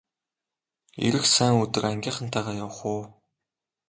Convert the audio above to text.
Ирэх сайн өдөр ангийнхантайгаа явах уу!